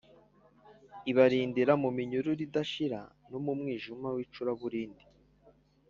ibarindira mu minyururu idashira no mu mwijima w’icuraburindi